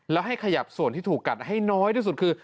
แล้วให้ขยับส่วนที่ถูกกัดให้น้อยที่สุดคือ